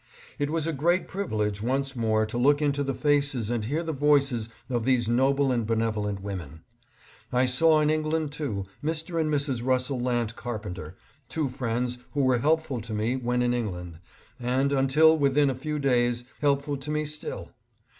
It was a great privilege once more to look into the faces and hear the voices of these noble and benevolent women. I saw in England, too, Mr. and Mrs. Russell Lant Car penter, two friends who were helpful to me when in England, and, until within a few days, helpful to me still.